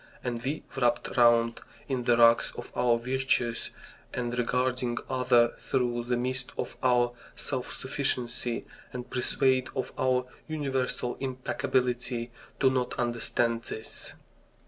And we, wrapped round in the rags of our virtues, and regarding others through the mist of our self sufficiency, and persuaded of our universal impeccability, do not understand this.